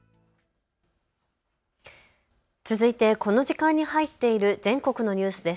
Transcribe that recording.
続いてこの時間に入っている全国のニュースです。